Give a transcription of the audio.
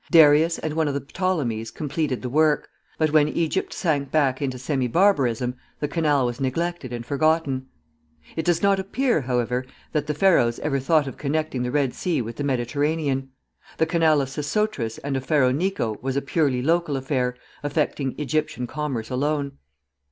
Darius and one of the Ptolemies completed the work, but when Egypt sank back into semi barbarism, the canal was neglected and forgotten. It does not appear, however, that the Pharaohs ever thought of connecting the Red Sea with the Mediterranean. The canal of Sesostris and of Pharaoh Necho was a purely local affair, affecting Egyptian commerce alone.